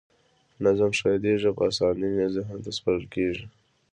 نظم ښه یادیږي او په اسانۍ ذهن ته سپارل کیږي.